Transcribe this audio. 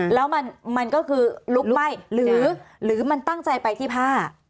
แล้วมันก็คือลุกไหม้หรือมันตั้งใจไปที่ผ้า